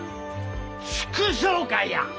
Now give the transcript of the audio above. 祝勝会や！